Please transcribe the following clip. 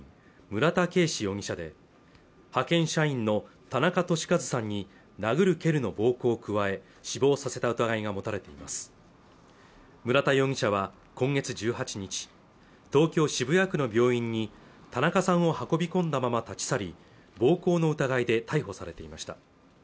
村田圭司容疑者で派遣社員の田中寿和さんに殴る蹴るの暴行を加え死亡させた疑いが持たれています村田容疑者は今月１８日東京渋谷区の病院に田中さんを運び込んだまま立ち去り暴行の疑いで逮捕されていました